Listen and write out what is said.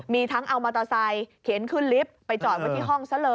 มีทั้งเอามอเตอร์ไซค์เข็นขึ้นลิฟต์